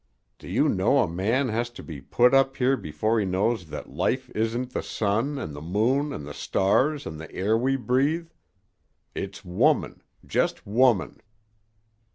Do you know a man has to be put up here before he knows that life isn't the sun an' the moon an' the stars an' the air we breathe. It's woman just woman."